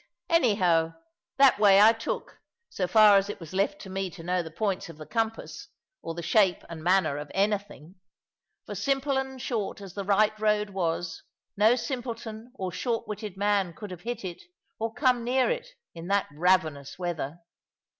Anyhow, that way I took, so far as it was left to me to know the points of the compass, or the shape and manner of anything. For simple and short as the right road was, no simpleton or shortwitted man could have hit it, or come near it, in that ravenous weather.